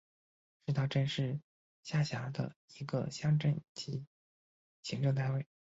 石塘镇是下辖的一个乡镇级行政单位。